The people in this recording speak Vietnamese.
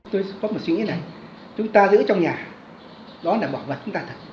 tôi có một suy nghĩ này chúng ta giữ trong nhà đó là bảo vật chúng ta thật